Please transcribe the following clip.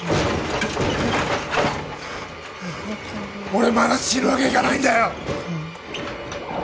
俺まだ死ぬわけいかないんだよ！